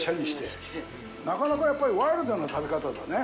これ、なかなかやっぱりワイルドな食べ方だね。